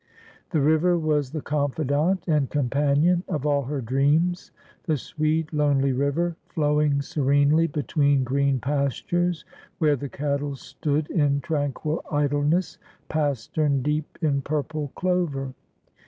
The river was the confidant and companion of all her dreams — the sweet lonely river, flowing serenely between green pas tures, where the cattle stood in tranquil idleness, pastern deep in purple clover.